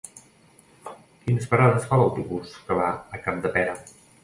Quines parades fa l'autobús que va a Capdepera?